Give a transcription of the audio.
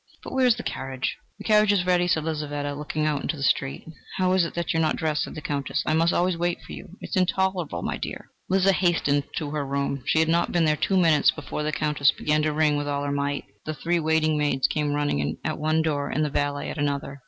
But where is the carriage?" "The carriage is ready," said Lizaveta, looking out into the street. "How is it that you are not dressed?" said the Countess: "I must always wait for you. It is intolerable, my dear!" Liza hastened to her room. She had not been there two minutes, before the Countess began to ring with all her might. The three waiting maids came running in at one door and the valet at another.